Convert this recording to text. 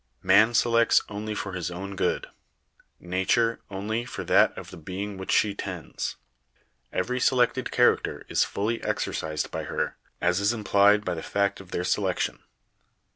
Man selects only for his own good : Nature only for that of the being which she tends. Every selected character is fully exercised by her, as is implied by the fact of their selec tion.